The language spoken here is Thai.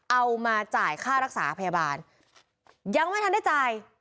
เอามาจ่ายค่ารักษาพยาบาลยังไม่ทันได้จ่าย